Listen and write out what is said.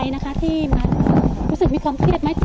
อย่ากมีอภัยที่จะอยู่ที่นี่วันที่สี่ใช่ไหมคะ